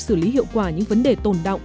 xử lý hiệu quả những vấn đề tồn đọng